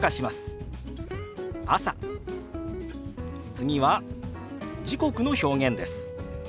次は時刻の表現です。